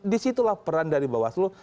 disitulah peran dari mbak waslu